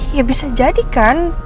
ya bisa jadi kan